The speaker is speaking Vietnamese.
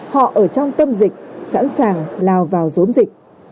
họ ở trong tâm dịch sẵn sàng lào vào dốn dịch